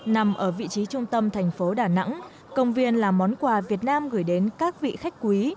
nằm ở vị trí trung tâm thành phố đà nẵng công viên là món quà việt nam gửi đến các vị khách quý